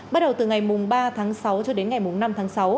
bắt đầu từ ngày ba tháng sáu cho đến ngày năm tháng sáu